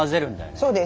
そうです。